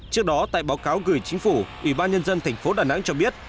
trước đó tại báo cáo gửi chính phủ ủy ban nhân dân thành phố đà nẵng cho biết